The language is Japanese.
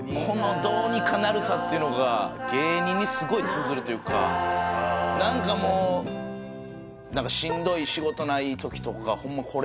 この「どうにかなるさ」っていうのが芸人にすごい通ずるというか何かもうしんどい仕事ない時とかホンマ